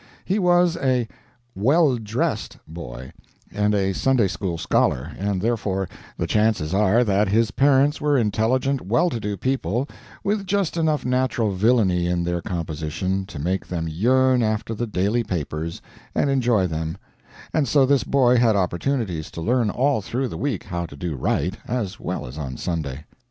He was a "well dressed" boy, and a Sunday school scholar, and therefore the chances are that his parents were intelligent, well to do people, with just enough natural villainy in their composition to make them yearn after the daily papers, and enjoy them; and so this boy had opportunities to learn all through the week how to do right, as well as on Sunday.